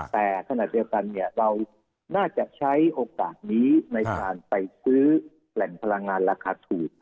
แต่ขณะเดียวกันเราน่าจะใช้โอกาสนี้ในการไปซื้อแหล่งพลังงานราคาถูก